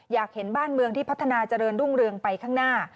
อยากเห็นบ้านเมืองที่พัฒนาเจริญรุ่งเรืองไปข้างหน้า